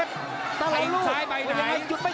ตาราเจ้าสายใบไหนอย่างไรจุดไป